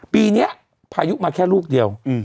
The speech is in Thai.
ปีนี้พายุมาแค่ลูกเดียว